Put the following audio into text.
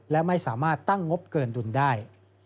และไม่สามารถตั้งงบเกินดุลได้